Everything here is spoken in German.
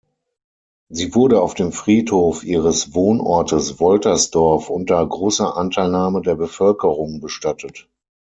Sie wurde auf dem Friedhof ihres Wohnortes Woltersdorf unter großer Anteilnahme der Bevölkerung bestattet.